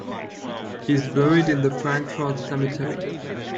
He is buried in the Frankfort Cemetery.